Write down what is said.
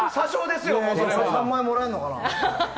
３万円もらえるのかな。